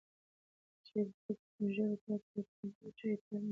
شریف خپل سپین ږیري پلار ته د تودو چایو پیاله ونیوله.